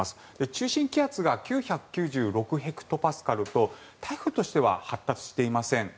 中心気圧が９９６ヘクトパスカルと台風としては発達していません。